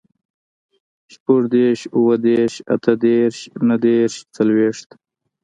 شپوږدېرش, اوهدېرش, اتهدېرش, نهدېرش, څلوېښت